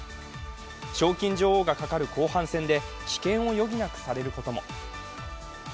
賞金女王がかかる後半戦で棄権を余儀なくされることも。